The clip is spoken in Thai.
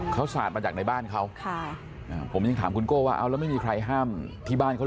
เขาสาดมาจากในบ้านเขาผมยังถามคุณโก้ว่าเอาแล้วไม่มีใครห้ามที่บ้านเขา